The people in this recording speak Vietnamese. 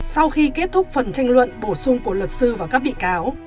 sau khi kết thúc phần tranh luận bổ sung của luật sư và các bị cáo